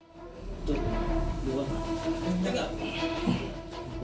tuh dua tiga